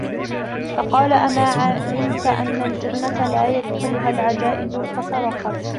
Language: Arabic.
فَقَالَ أَمَا عَلِمْت أَنَّ الْجَنَّةَ لَا يَدْخُلُهَا الْعَجَائِزُ ، فَصَرَخَتْ